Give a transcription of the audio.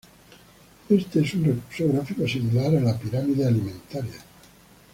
Este es un recurso gráfico similar a la pirámide alimentaria.